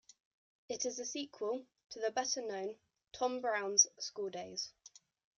It is a sequel to the better-known "Tom Brown's School Days".